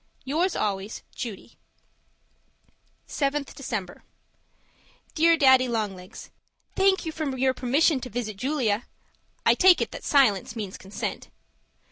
Yours always, Judy 7th December Dear Daddy Long Legs, Thank you for permission to visit Julia I take it that silence means consent.